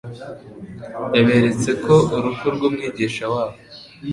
Yaberetse ko urupfu rw'Umwigisha wabo